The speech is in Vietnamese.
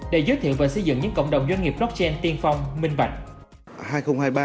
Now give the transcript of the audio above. để giới thiệu và xây dựng những cộng đồng doanh nghiệp blockchain tiên phong minh bạch